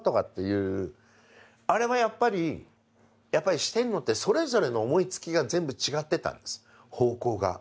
あれはやっぱりやっぱり四天王ってそれぞれの思いつきが全部違ってたんです方向が。